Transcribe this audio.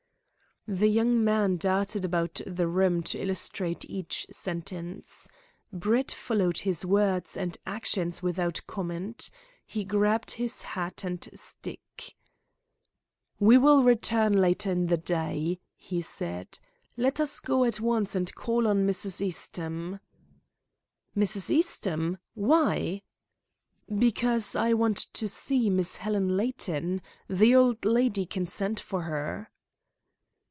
The young man darted about the room to illustrate each sentence. Brett followed his words and actions without comment. He grabbed his hat and stick. "We will return later in the day," he said. "Let us go at once and call on Mrs. Eastham." "Mrs. Eastham! Why?" "Because I want to see Miss Helen Layton. The old lady can send for her."